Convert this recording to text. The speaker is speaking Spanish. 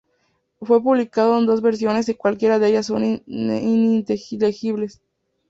Fue publicada en dos versiones y cualquiera de ellas son ininteligibles".